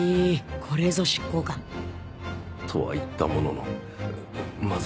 これぞ執行官とは言ったもののまずいな